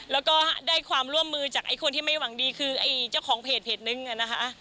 แล้วก็ได้ความร่วมมือจากไอ้คนที่ไม่หวังดีคือไอ้เจ้าของเพจนึงนะคะ